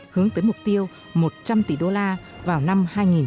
hướng tới mục tiêu một trăm linh tỷ đô la vào năm hai nghìn hai mươi